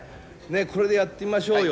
これでやってみましょうよ。